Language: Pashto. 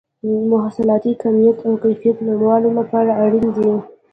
د محصولاتو د کمیت او کیفیت لوړولو لپاره اړین دي.